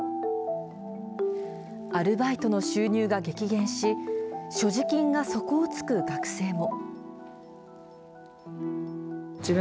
アルバイトの収入が激減し、所持金が底をつく学生も。